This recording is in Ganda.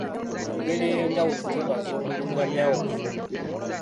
Mu ngeri ey’enjawulo twebaza omulungamya waffe.